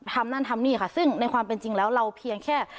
นั่นทำนี่ค่ะซึ่งในความเป็นจริงแล้วเราเพียงแค่